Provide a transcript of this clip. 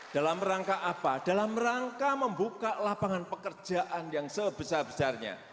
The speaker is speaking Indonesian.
dalam rangka apa dalam rangka membuka lapangan pekerjaan yang sebesar besarnya